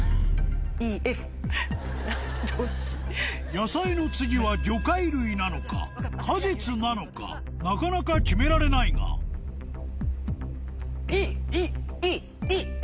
野菜の次は魚介類なのか果実なのかなかなか決められないがＥ！